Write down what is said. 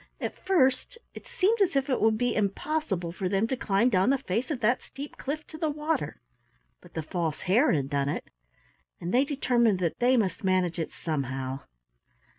At first it seemed as if it would be impossible for them to climb down the face of that steep cliff to the water, but the False Hare had done it, and they determined that they must manage it somehow.